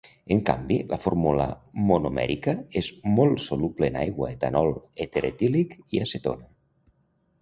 En canvi, la fórmula monomèrica és molt soluble en aigua, etanol, èter etílic i acetona.